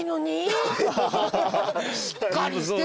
しっかりしてるね。